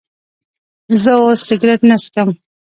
زه اوس سيګرټ نه سکم